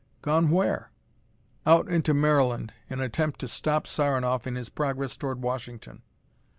"Gone where?" "Out into Maryland in an attempt to stop Saranoff in his progress toward Washington."